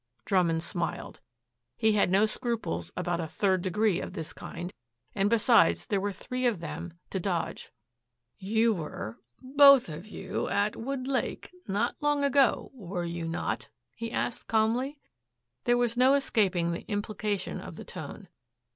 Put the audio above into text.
Drummond smiled. He had no scruples about a "third degree" of this kind, and besides there were three of them to Dodge. "You were both of you at Woodlake not long ago, were you not?" he asked calmly. There was no escaping the implication of the tone.